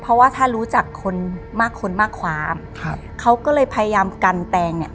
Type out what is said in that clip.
เพราะว่าถ้ารู้จักคนมากคนมากความครับเขาก็เลยพยายามกันแตงเนี่ย